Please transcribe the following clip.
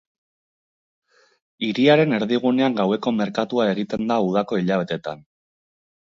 Hiriaren erdigunean gaueko merkatua egiten da udako hilabetetan.